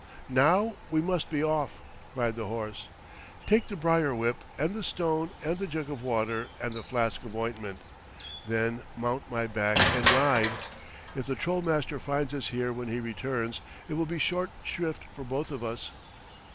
"Now we must be off," cried the horse. "Take the briar whip and the stone and the jug of water and the flask of ointment. Then mount my back and ride. If the Troll Master finds us here when he returns, it will be short shrift for both of us."